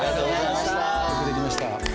よく出来ました。